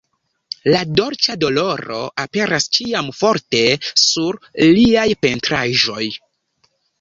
La "dolĉa doloro" aperas ĉiam forte sur liaj pentraĵoj.